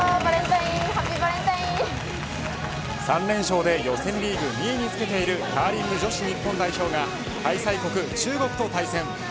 ３連勝で予選リーグ２位につけているカーリング女子日本代表が開催国、中国と対戦。